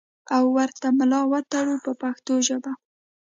او ورته ملا وتړو په پښتو ژبه.